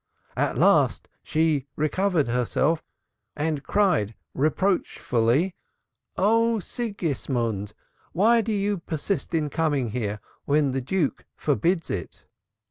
At last she recovered herself and cried reproachfully, Oh Sigismund, why do you persist in coming here, when the Duke forbids it?'